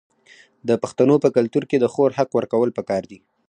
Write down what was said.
د پښتنو په کلتور کې د خور حق ورکول پکار دي.